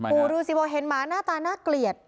ดูสิบอกเห็นหมาหน้าตาน่าเกลียด